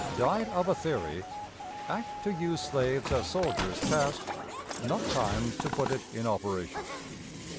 "Died of a Theory." Act to use Slaves as Soldiers passed. Not Time to put it in Operation.